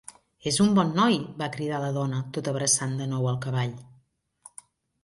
"És un bon noi!" va cridar la dona, tot abraçant de nou al cavall.